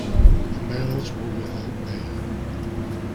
The males were without mane.